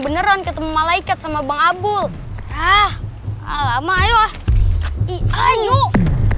beneran ketemu malaikat sama bang abul ah lama yuk yuk